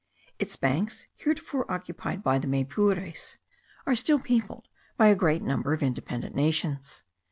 Its banks, heretofore occupied by the Maypures, are still peopled by a great number of independent nations.